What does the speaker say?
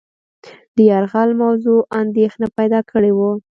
د یرغل موضوع اندېښنه پیدا کړې وه.